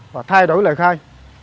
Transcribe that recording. và thay đổi lời khai